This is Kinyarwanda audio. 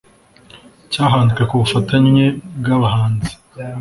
cyahanzwe ku bufatanye bw abahanzi